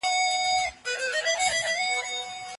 ما ته په ډېرې مینه او درناوي سره یو ځل وگوره.